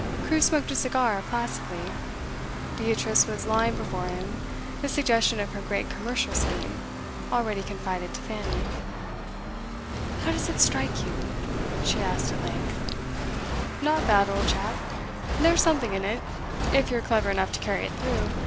Crewe smoked a cigar placidly; Beatrice was laying before him the suggestion of her great commercial scheme, already confided to Fanny. 'How does it strike you?' she asked at length. 'Not bad, old chap. There's something in it, if you're clever enough to carry it through.